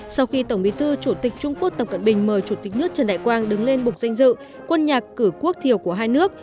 sau khi tổng bí thư chủ tịch trung quốc tập cận bình mời chủ tịch nước trần đại quang đứng lên bục danh dự quân nhạc cử quốc thiều của hai nước